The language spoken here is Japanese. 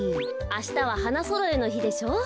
あしたは花そろえのひでしょう。